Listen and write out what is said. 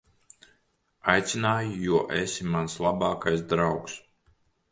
Aicināju, jo esi mans labākais draugs.